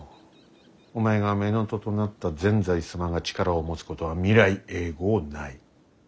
お前が乳父となった善哉様が力を持つことは未来永劫ない。